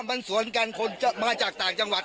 มันสวนกันคนจะมาจากต่างจังหวัด